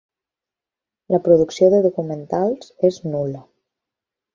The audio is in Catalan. La producció de documentals és nul·la.